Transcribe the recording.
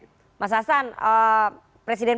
oke mas hasan presiden